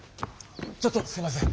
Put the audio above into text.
ちょっとすいません。